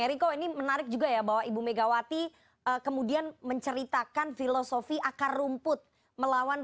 eriko ini menarik juga ya bahwa ibu megawati kemudian menceritakan filosofi akar rumput melawan